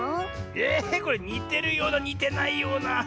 えこれにてるようなにてないような。